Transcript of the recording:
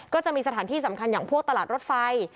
ก็จะมีสถานที่สำคัญอย่างพวกตลาดรถไฟ